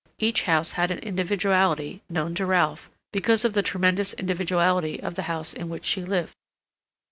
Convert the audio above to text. Each house had an individuality known to Ralph, because of the tremendous individuality of the house in which she lived.